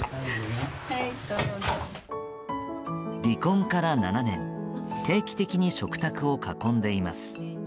離婚から７年定期的に食卓を囲んでいます。